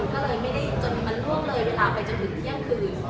ก็เลยไม่ได้จนมันล่วงเลยเวลาไปจนถึงเที่ยงคืน